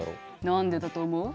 何でだと思う？